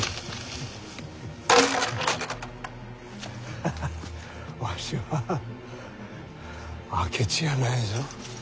ハハハわしは明智やないぞ。